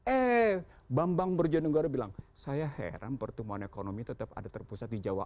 eh bambang brojonegoro bilang saya heran pertumbuhan ekonomi tetap ada terpusat di jawa